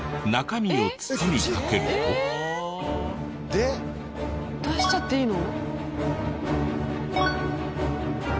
で？出しちゃっていいの？